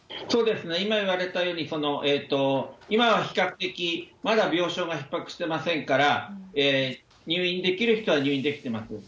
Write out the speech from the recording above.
今言われたように、今は比較的、まだ病床がひっ迫してませんから、入院できる人は入院できてます。